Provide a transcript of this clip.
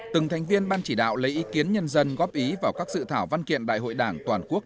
từng thành viên ban chỉ đạo lấy ý kiến nhân dân góp ý vào các dự thảo văn kiện đại hội đảng toàn quốc